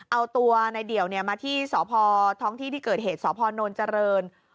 เอาตัวในเดี่ยวมาที่สพท้องที่ที่เกิดเหตุสพนเจริญ